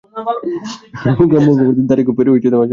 রোগা, মুখভর্তি দাড়ি-গোঁফের জঙ্গল।